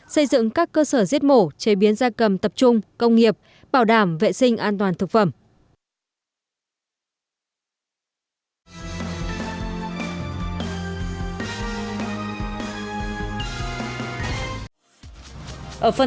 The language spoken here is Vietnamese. xây dựng các cơ sở giết mổ chế biến da cầm tập trung công nghiệp bảo đảm vệ sinh an toàn thực phẩm